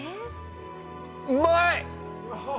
うまい！